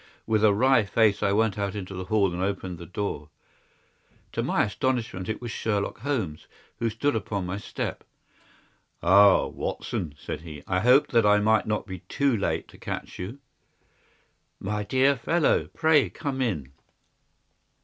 With a wry face I went out into the hall and opened the door. To my astonishment it was Sherlock Holmes who stood upon my step. "Ah, Watson," said he, "I hoped that I might not be too late to catch you." "My dear fellow, pray come in."